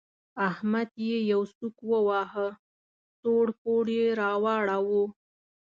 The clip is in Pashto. احمد يې يو سوک وواهه؛ سوړ پوړ يې راواړاوو.